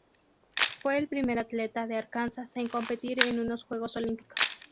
Fue el primer atleta de Arkansas en competir en unos Juegos Olímpicos.